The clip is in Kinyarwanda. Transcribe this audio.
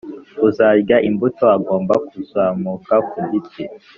uzarya imbuto agomba kuzamuka ku giti.